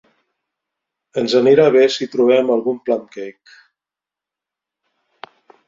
Ens anirà bé si trobem algun plum-cake.